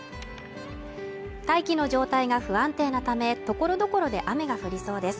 大気の状態が不安定なため、所々で雨が降りそうです。